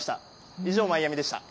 以上、マイアミでした。